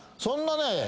そんなね。